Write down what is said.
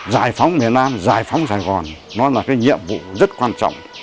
giải phóng miền nam giải phóng sài gòn nó là cái nhiệm vụ rất quan trọng